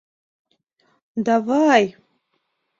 — Да-ва-ай!